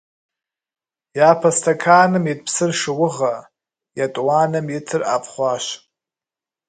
Япэ стэканым ит псыр шыугъэ, етӀуанэм итыр ӀэфӀ хъуащ.